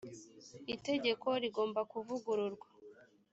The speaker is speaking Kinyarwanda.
itegekorigomba kuvugururwa.